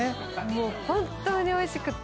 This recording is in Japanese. もう本当においしくて。